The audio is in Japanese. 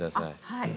はい。